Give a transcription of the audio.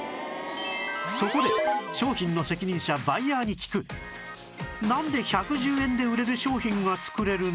そこで商品の責任者バイヤーに聞くなんで１１０円で売れる商品が作れるの？